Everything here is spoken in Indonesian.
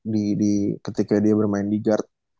di ketika dia bermain di guard